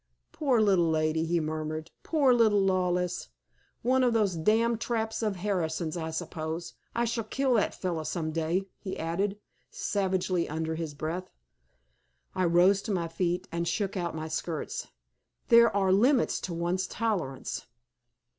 "Poor little lady!" he murmured. "Poor little Lawless. One of those damned traps of Harrison's, I suppose. I shall kill that fellow some day!" he added, savagely, under his breath. I rose to my feet and shook out my skirts. There are limits to one's tolerance.